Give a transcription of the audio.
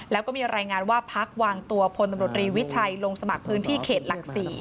แล้วก็มีรายงานว่าพักวางตัวพลตำรวจรีวิชัยลงสมัครพื้นที่เขตหลัก๔